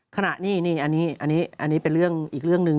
ขณะนี้อันนี้เป็นอีกเรื่องหนึ่ง